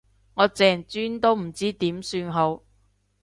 我淨專都唔知點算好